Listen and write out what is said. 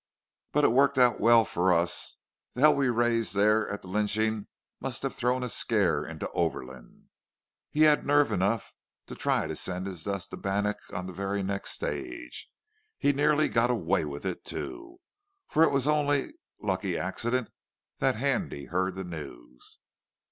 But it worked out well for us. The hell we raised there at the lynching must have thrown a scare into Overland. He had nerve enough to try to send his dust to Bannack on the very next stage. He nearly got away with it, too. For it was only lucky accident that Handy heard the news."